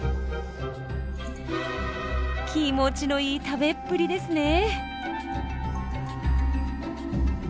気持ちのいい食べっぷりですね。